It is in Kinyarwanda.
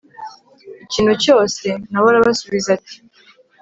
ikintu cyose? na we arabasubiza ati